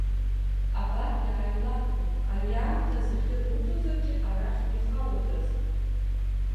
Абар, иааилахәлеит, ари аамҭазы, ахьы руҭозаргьы арахь ихалодаз!